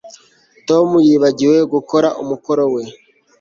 Tom yibagiwe gukora umukoro we